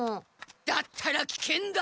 だったらきけんだ！